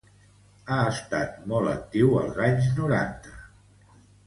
Ha estat molt actiu als anys noranta.